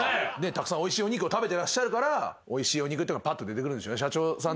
たくさんおいしいお肉を食べてらっしゃるからおいしいお肉ってのがパッと出てくるんでしょうね。